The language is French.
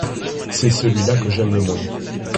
c'est celui-là que j'aime le moins.